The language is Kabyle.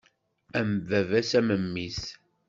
Am baba-s, am memmi-s.